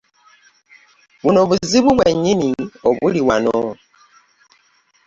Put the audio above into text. Buno buzibu bwennyini obuli wano.